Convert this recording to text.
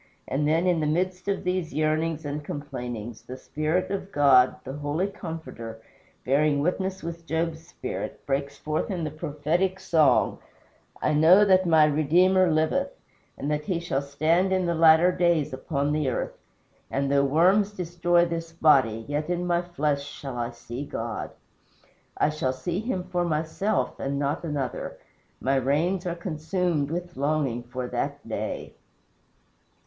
And then, in the midst of these yearnings and complainings, the Spirit of God, the Heavenly Comforter, bearing witness with Job's spirit, breaks forth in the prophetic song: "I know that my Redeemer liveth And that he shall stand in the latter days upon the earth. And though worms destroy this body, Yet in my flesh shall I see God. I shall see him for myself and not another. My reins are consumed with longing for that day."